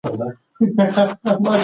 هغه په خپله صافه باندې ټول دوړې لرې کړې.